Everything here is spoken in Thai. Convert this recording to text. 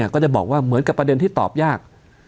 ก็จะบอกว่าเหมือนกับประเด็นที่ตอบยาก